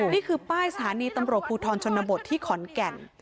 นี่คือป้ายสถานีตำรวจภูทรชนบทที่ขอนแก่น